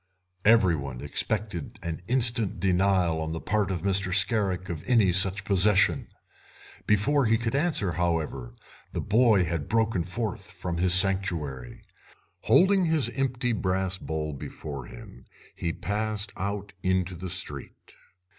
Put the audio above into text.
Every one expected an instant denial on the part of Mr. Scarrick of any such possession. Before he could answer, however, the boy had broken forth from his sanctuary. Holding his empty brass bowl before him he passed out into the street.